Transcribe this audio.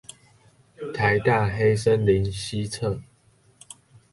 臺大黑森林西側